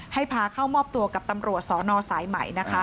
ให้พาเข้ามอบตัวกับตำรวจส่อซ์ใหม่